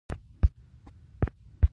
ځغاسته د ورزشي نظم ښکارندوی ده